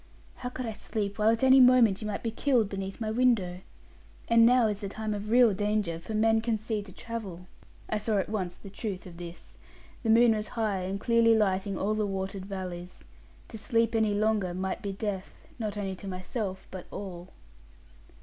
'How could I sleep, while at any moment you might be killed beneath my window? And now is the time of real danger; for men can see to travel.' I saw at once the truth of this. The moon was high and clearly lighting all the watered valleys. To sleep any longer might be death, not only to myself, but all.